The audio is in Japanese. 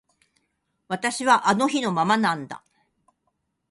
私はあの日のままなんだ